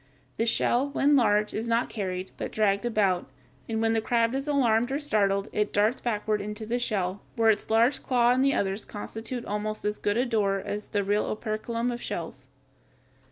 The shell, when large, is not carried, but dragged about, and when the crab is alarmed or startled it darts backward into the shell, where its large claw and the others constitute almost as good a door as the real operculum of shells.